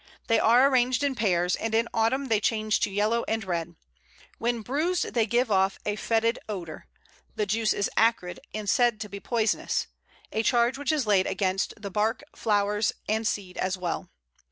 They are arranged in pairs, and in autumn they change to yellow and red. When bruised they give off a f[oe]tid odour, the juice is acrid, and said to be poisonous a charge which is laid against the bark, flowers, and seed as well.